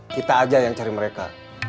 kita aja yang cari mereka